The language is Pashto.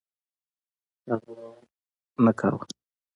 هغه باور نه کولو